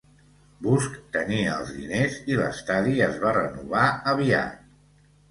Busch tenia els diners i l'estadi es va renovar aviat.